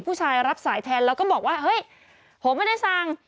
ผู้ชายรับสายแทนแล้วก็บอกว่าเฮ้ยผมไม่ได้สั่ง